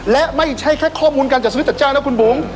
และไม่ใช่แค่ข้อมูลการจัดซื้อจัดจ้างนะคุณบุ๋ม